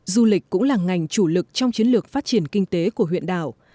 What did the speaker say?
du lịch cũng là ngành chủ lực trong chiến lược phát triển kinh tế của huyện đảo